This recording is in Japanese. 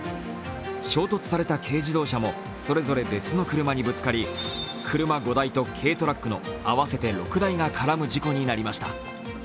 衝突された軽自動車もそれぞれ別の車にぶつかり車５台と軽トラックの合わせて６台が絡む事故になりました。